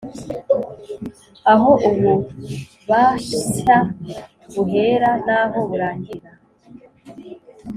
aho ububahsa buhera n’aho burangirira;